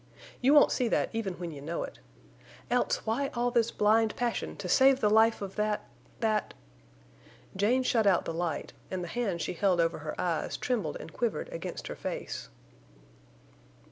You won't see that even when you know it. Else, why all this blind passion to save the life of that—that...." Jane shut out the light, and the hands she held over her eyes trembled and quivered against her face.